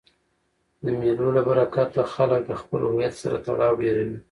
د مېلو له برکته خلک د خپل هویت سره تړاو ډېروي.